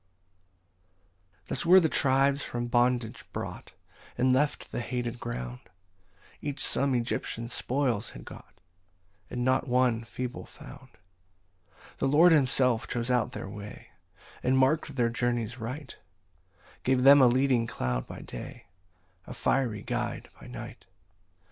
15 Thus were the tribes from bondage brought, And left the hated ground; Each some Egyptian spoils had got, And not one feeble found. 16 The Lord himself chose out their way, And mark'd their journies right, Gave them a leading cloud by day, A fiery guide by night.